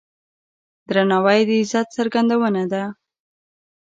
درناوی د عزت څرګندونه ده.